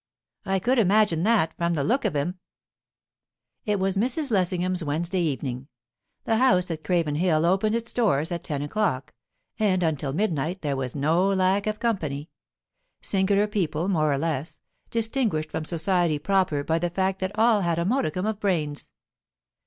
"I could imagine that, from the look of him." It was Mrs. Lessingham's Wednesday evening. The house at Craven Hill opened its doors at ten o'clock, and until midnight there was no lack of company. Singular people, more or less; distinguished from society proper by the fact that all had a modicum of brains.